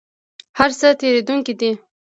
هر څه تیریدونکي دي